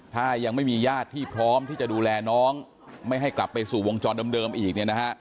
ถ้ายังไม่มีญาติที่พร้อมที่จะดูแลน้องไม่ให้กลับไปสู่วงจรเดิมอีกเนี่ยนะฮะ